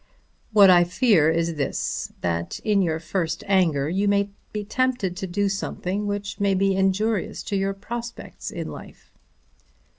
"What I fear is this; that in your first anger you may be tempted to do something which may be injurious to to your prospects in life."